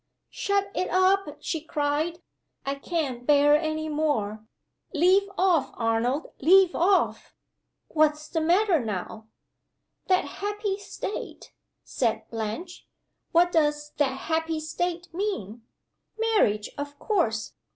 "Shut it up," she cried. "I can't bear any more. Leave off, Arnold leave off!" "What's, the matter now?" "'That happy state,'" said Blanche. "What does 'that happy state' mean? Marriage, of course!